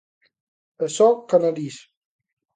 E só co nariz!